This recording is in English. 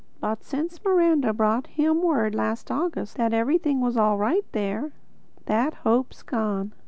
But since Miranda brought him word last August that everything was all right there, that hope's gone.